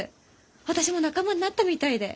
私も仲間になったみたいで！